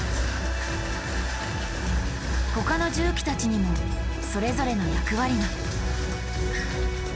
他の重機たちにもそれぞれの役割が。